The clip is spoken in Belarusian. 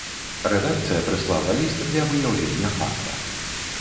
Рэдакцыя прыслала ліст для выяўлення факта.